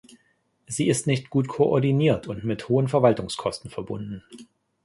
Sie ist nicht gut koordiniert und mit hohen Verwaltungskosten verbunden.